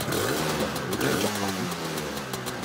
籠裏雞作反